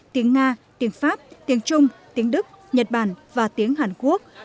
tiếng nga tiếng pháp tiếng trung tiếng đức nhật bản và tiếng hàn quốc